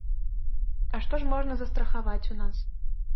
А што ж можна застрахаваць у нас?